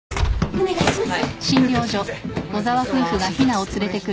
お願いします。